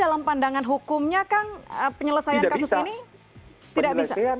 dalam pandangan hukumnya kang penyelesaian kasus ini tidak bisa